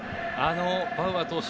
バウアー投手